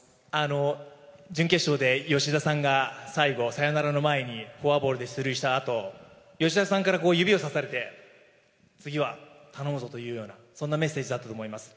準決勝で吉田さんが最後、サヨナラの前にフォアボールで出塁したあと、吉田さんから指をさされて、次は頼むぞというような、そんなメッセージだったと思います。